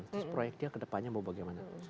terus proyeknya kedepannya mau bagaimana